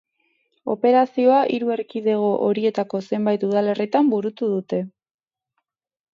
Operazioa hiru erkidego horietako zenbait udalerritan burutu dute.